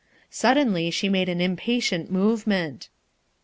Suddenly she made an impatient movement.